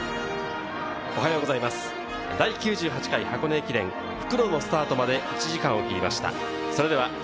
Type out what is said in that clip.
おはようございます、第９８回箱根駅伝、復路のスタートまで１時間を切りました。